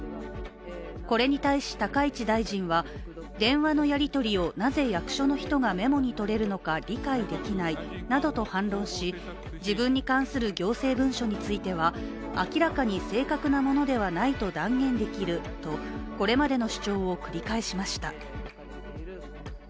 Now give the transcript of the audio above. これに対し高市大臣は電話のやり取りをなぜ役所の人がメモにとれるのか理解できないなどと反論し、自分に関する行政文書については明らかに正確なものではないと断言できるとこれまでの主張を繰り返しました。